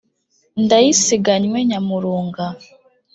ndayisanganywe nyamurunga.